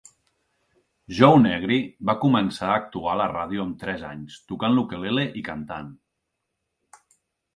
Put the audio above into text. Joe Negri va començar a actuar a la ràdio amb tres anys, tocant l'ukulele i cantant.